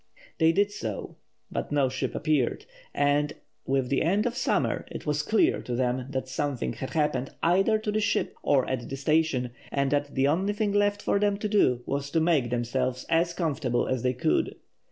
They did so, but no ship appeared, and, with the end of summer, it was clear to them that something had happened either to the ship or at the station, and that the only thing left for them to do was to make themselves as comfortable as they could.